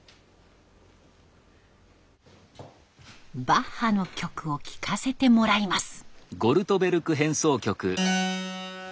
バッハの曲を聴かせてもらいます。